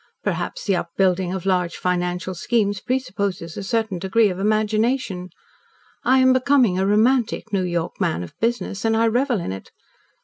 Perhaps the up building of large financial schemes presupposes a certain degree of imagination. I am becoming a romantic New York man of business, and I revel in it.